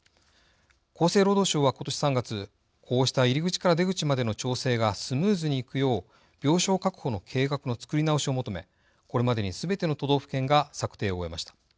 厚生労働省はことし３月こうした入り口から出口までの調整がスムーズにいくよう病床確保の計画の作り直しを求めこれまでにすべての都道府県が策定を終えました。